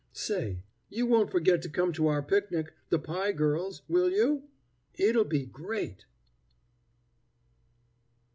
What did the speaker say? "Say, you won't forget to come to our picnic, the 'Pie Girls,' will you? It'll be great."